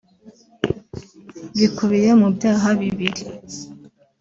bikubiye mu byaha bibiri